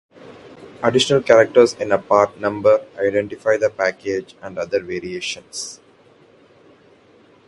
Additional characters in a part number identify the package and other variations.